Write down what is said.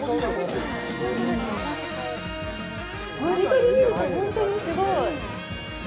間近で見ると、本当にすごい。